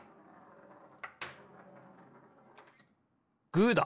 グーだ！